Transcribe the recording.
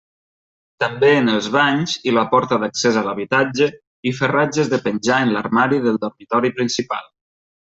També en els banys i la porta d'accés a l'habitatge i ferratges de penjar en l'armari del dormitori principal.